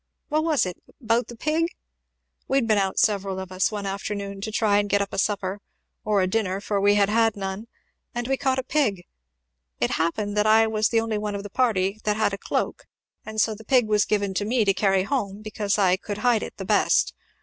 What was it? about the pig? We had been out, several of us, one afternoon to try to get up a supper or a dinner, for we had had none and we had caught a pig. It happened that I was the only one of the party that had a cloak, and so the pig was given to me to carry home, because I could hide it the best.